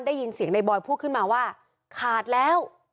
ได้ยินเสียงในบอยพูดขึ้นมาว่าขาดแล้ว